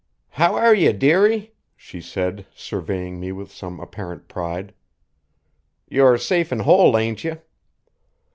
"How air ye, dearie?" she said, surveying me with some apparent pride. "You're safe and whole, ain't ye?"